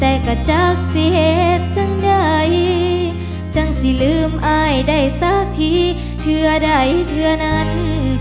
แต่ก็จักสิเหตุจังได้จังสิลืมอายได้สักทีเธอได้เธอนั้น